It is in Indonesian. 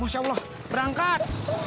no masya allah berangkat